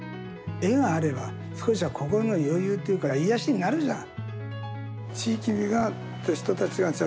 絵があれば少しは心の余裕というか癒やしになるじゃん。